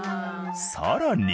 さらに。